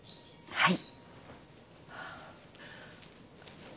はい。